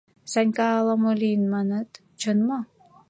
— Санька ала-мо лийын, маныт — чын мо?